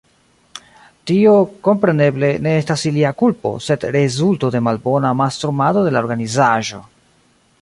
Tio, kompreneble, ne estas ilia kulpo, sed rezulto de malbona mastrumado de la organizaĵo.